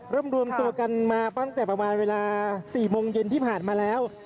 รวมรวมตัวกันมาตั้งแต่ประมาณเวลา๔โมงเย็นที่ผ่านมาแล้ว